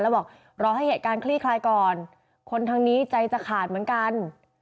แล้วบอกรอให้เหตุการณ์คลี่คลายก่อนคนทางนี้ใจจะขาดเหมือนกัน